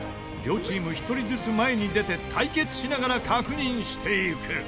両チーム１人ずつ前に出て対決しながら確認していく。